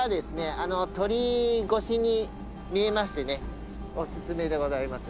あの鳥居越しに見えましてねおすすめでございます。